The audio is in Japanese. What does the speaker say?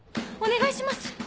お願いします！